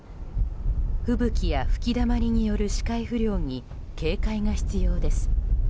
吹雪や吹きだまりによる視界不良に警戒が必要です。